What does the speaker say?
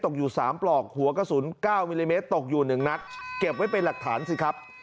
อยู่๓ปลอกหัวกระสุน๙มิลลิเมตรตกอยู่๑นัดเก็บไว้เป็นหลักฐานสิครับ